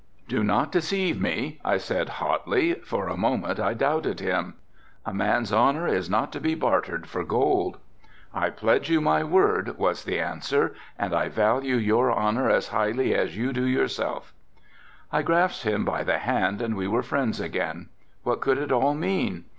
"Do not deceive me," I said hotly, for a moment I doubted him. "A man's honor is not to be bartered for gold." "I pledge you my word," was the answer, "and I value your honor as highly as you do yourself." I grasped him by the hand and we were friends again. What could it all mean?